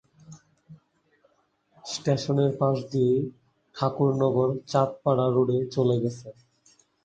স্টেশনের পাশ দিয়েই ঠাকুরনগর-চাঁদপাড়া রোড চলে গেছে।